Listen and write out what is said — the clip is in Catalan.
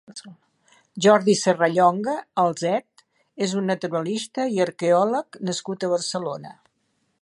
Jordi Serrallonga Alset és un naturalista i arqueòleg nascut a Barcelona.